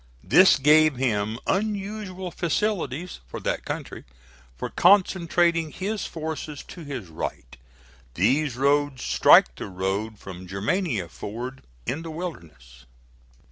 This gave him unusual facilities, for that country, for concentrating his forces to his right. These roads strike the road from Germania Ford in the Wilderness.